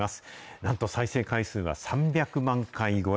なんと再生回数は３００万回超え。